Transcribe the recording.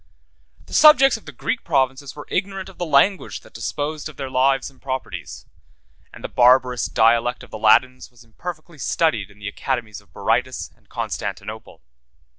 The subjects of the Greek provinces were ignorant of the language that disposed of their lives and properties; and the barbarous dialect of the Latins was imperfectly studied in the academies of Berytus and Constantinople.